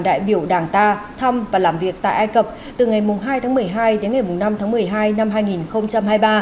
đại biểu đảng ta thăm và làm việc tại ai cập từ ngày hai tháng một mươi hai đến ngày năm tháng một mươi hai năm hai nghìn hai mươi ba